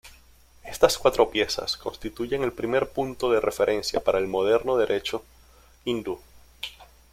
Estas cuatro piezas constituyen el primer punto de referencia para el moderno derecho hindú.